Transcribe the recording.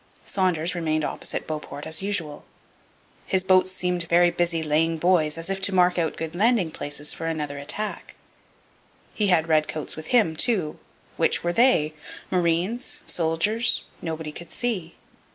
Saunders remained opposite Beauport, as usual. His boats seemed very busy laying buoys, as if to mark out good landing places for another attack. He had redcoats with him, too. Which were they? Marines? Soldiers? Nobody could see.